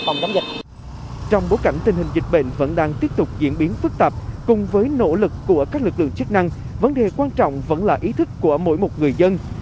trong bối cảnh tình hình dịch bệnh vẫn đang tiếp tục diễn biến phức tạp cùng với nỗ lực của các lực lượng chức năng vấn đề quan trọng vẫn là ý thức của mỗi một người dân